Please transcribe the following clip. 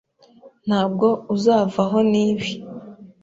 Ntabwo uzavaho nibi.